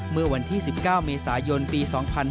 เมื่อวันที่๑๙เมษายนปี๒๕๕๙